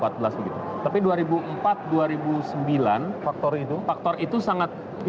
tapi dua ribu empat dua ribu sembilan faktor itu sangat penting